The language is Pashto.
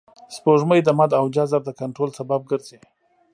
سپوږمۍ د مد او جزر د کنټرول سبب ګرځي